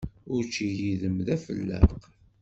Učči yid-m d afelleq.